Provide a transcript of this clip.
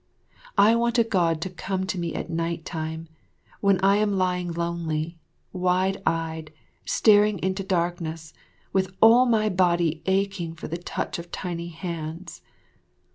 I want a God to come to me at night time, when I am lying lonely, wide eyed, staring into darkness, with all my body aching for the touch of tiny hands.